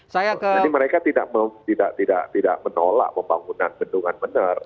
mereka tidak menolak pembangunan bendungan benar